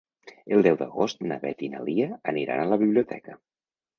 El deu d'agost na Beth i na Lia aniran a la biblioteca.